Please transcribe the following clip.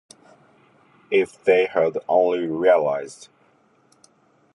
If they had only realized!